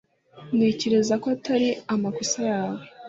Ntekereza ko atari amakosa yawe